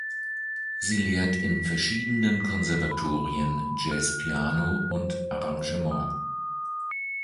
Sie lehrt in verschiedenen Konservatorien Jazz-Piano und Arrangement.